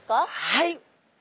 はい！